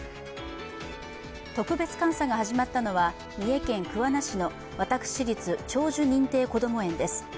特別監査が始まったのは三重県桑名市の私立長寿認定こども園です。